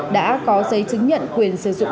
đã có giấy chứng nhận quyền sử dụng